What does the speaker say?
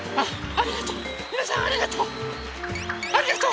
ありがとう。